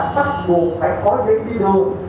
phát buộc phải có giấy đi đường